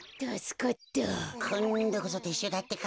こんどこそてっしゅうだってか。